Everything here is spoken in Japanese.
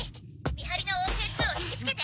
「見張りのＯＫー２を引きつけて！」